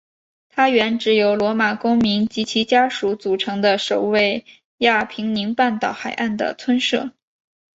它原指由罗马公民及其家属组成的守卫亚平宁半岛海岸的村社。